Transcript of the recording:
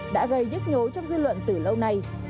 đã gây nhức nhối trong dư luận từ lâu nay